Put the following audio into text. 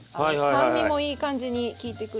酸味もいい感じに効いてくるし。